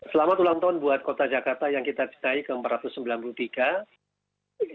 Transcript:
selamat ulang tahun buat kota jakarta yang kita cintai ke empat ratus sembilan puluh tiga